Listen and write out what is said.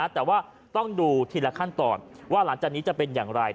แต่ว่าต้องดูทีละขั้นตอนว่าหลังจากนี้จะเป็นอย่างไร